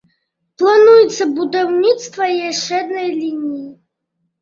Плануецца будаўніцтва яшчэ адной лініі.